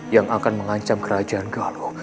yang akan mengancam kerajaan galo